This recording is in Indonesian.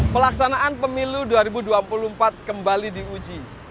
pelaksanaan pemilu dua ribu dua puluh empat kembali diuji